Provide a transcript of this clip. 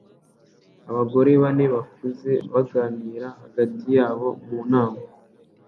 Abagore bane bakuze baganira hagati yabo mu nama